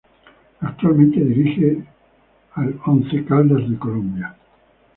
Actualmente dirige al Once Caldas de Colombia.